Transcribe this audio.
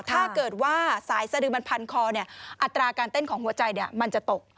ถ้าเกิดว่าสายสดือมันพันคออัตราการเต้นของหัวใจมันจะตก